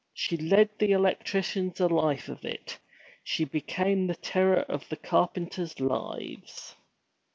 She led the electricians a life of it; she became the terror of the carpenters' lives.